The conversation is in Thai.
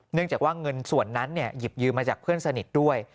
เนื่องจากว่าเงินส่วนนั้นหยิบยืมมาจากเพื่อนสนิทด้วย